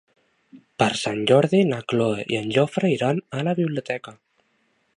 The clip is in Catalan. Per Sant Jordi na Cloè i en Jofre iran a la biblioteca.